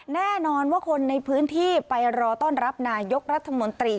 แน่นอนว่าคนในพื้นที่ไปรอต้อนรับนายกรัฐมนตรี